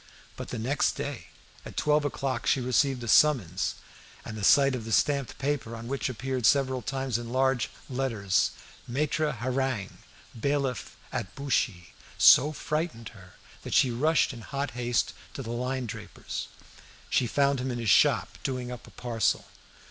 But the next day at twelve o'clock she received a summons, and the sight of the stamped paper, on which appeared several times in large letters, "Maitre Hareng, bailiff at Buchy," so frightened her that she rushed in hot haste to the linendraper's. She found him in his shop, doing up a parcel.